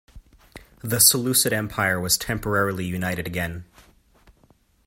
The Seleucid empire was temporarily united again.